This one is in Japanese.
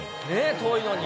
遠いのに。